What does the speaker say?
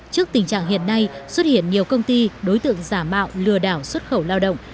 trước tình trạng hiện nay xuất hiện nhiều công ty đối tượng giả mạo lừa đảo xuất khẩu lao động